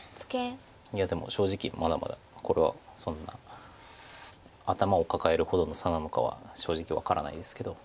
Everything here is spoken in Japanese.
いやでも正直まだまだこれはそんな頭を抱えるほどの差なのかは正直分からないですけど。